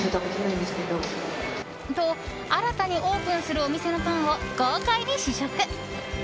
と、新たにオープンするお店のパンを豪快に試食。